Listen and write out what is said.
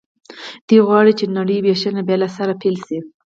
دوی غواړي چې نړۍ وېشنه بیا له سره پیل شي